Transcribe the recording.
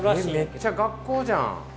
めっちゃ学校じゃん。